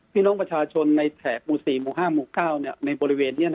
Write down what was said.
พี่น้องประชาชนในแถบหมู่๔หมู่๕หมู่๙ในบริเวณนี้